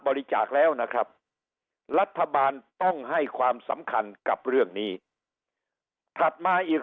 บริจาคแล้วนะครับรัฐบาลต้องให้ความสำคัญกับเรื่องนี้ถัดมาอีก